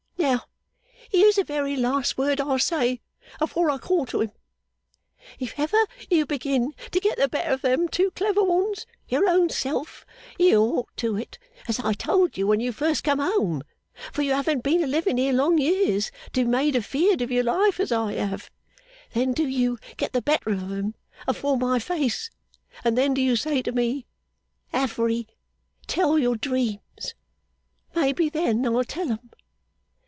Now here's the very last word I'll say afore I call to him If ever you begin to get the better of them two clever ones your own self (you ought to it, as I told you when you first come home, for you haven't been a living here long years, to be made afeared of your life as I have), then do you get the better of 'em afore my face; and then do you say to me, Affery tell your dreams! Maybe, then I'll tell 'em!